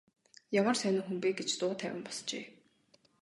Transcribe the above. Ямар сонин хүн бэ гэж дуу тавин босжээ.